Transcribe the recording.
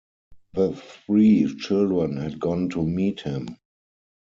The three children had gone to meet him.